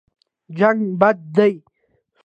جنګ بد دی.